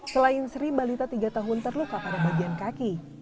selain sri balita tiga tahun terluka pada bagian kaki